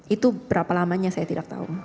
itu berapa lamanya saya tidak tahu